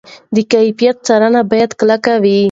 د کیفیت څارنه باید کلکه وي.